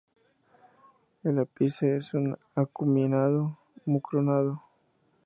El ápice es acuminado, mucronado.